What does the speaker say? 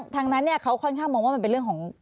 ดังนั้นเขาค่อนข้างมองว่ามันเป็นเรื่องของ